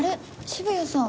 渋谷さん